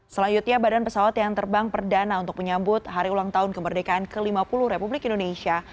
selanjutnya badan pesawat yang terbang perdana untuk menyambut hari ulang tahun kemerdekaan ke lima puluh republik indonesia